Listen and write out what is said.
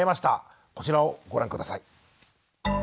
こちらをご覧下さい。